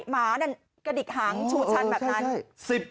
หมานั่นกระดิกหางชูชันแบบนั้น